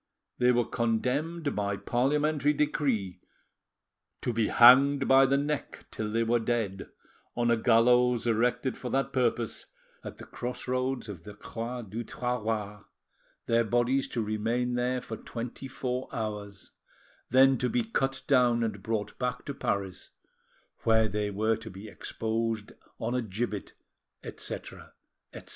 They were condemned by parliamentary decree to "be hanged by the neck till they were dead, on a gallows erected for that purpose at the cross roads of the Croix du Trahoir; their bodies to remain there for twenty four hours, then to be cut down and brought back to Paris, where they were to be exposed an a gibbet," etc., etc.